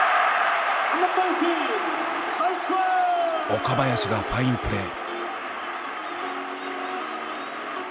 岡林がファインプレー。